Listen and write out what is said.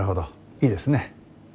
いいですね。